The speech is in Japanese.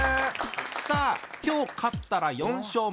さあ今日勝ったら４勝目。